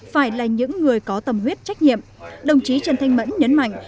phải là những người có tâm huyết trách nhiệm đồng chí trần thanh mẫn nhấn mạnh